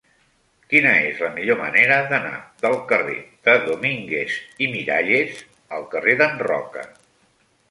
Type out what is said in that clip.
Quina és la millor manera d'anar del carrer de Domínguez i Miralles al carrer d'en Roca?